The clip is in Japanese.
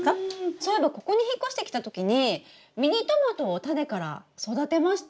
そういえばここに引っ越してきた時にミニトマトをタネから育てましたね。